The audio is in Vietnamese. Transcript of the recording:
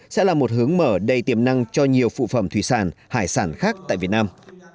sẽ là một hướng mở đầy tiềm năng cho nhiều phụ phẩm thủy sản hải sản khác tại việt nam